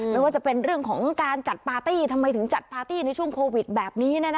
ไม่ว่าจะเป็นเรื่องของการจัดปาร์ตี้ทำไมถึงจัดปาร์ตี้ในช่วงโควิดแบบนี้